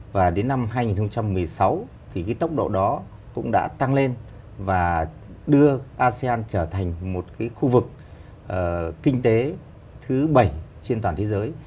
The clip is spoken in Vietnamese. và đến năm hai nghìn một mươi sáu thì cái tốc độ đó cũng đã tăng lên và đưa asean trở thành một khu vực kinh tế thứ bảy trên toàn thế giới